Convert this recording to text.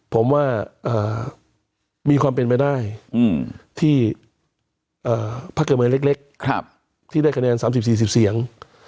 ผมว่ามีความเป็นไปได้ที่พักการเมืองเล็กที่ได้คะแนน๓๐๔๐เสียง